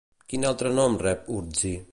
Quin altre nom rep Urtzi?